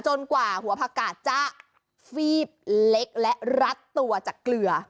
กว่าหัวผักกาดจะฟีบเล็กและรัดตัวจากเกลือ